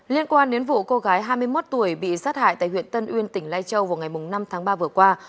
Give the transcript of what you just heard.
liên quan đến vụ cô gái hai mươi một tuổi bị sát hại tại huyện tân uyên tỉnh lai châu vào ngày năm tháng ba vừa qua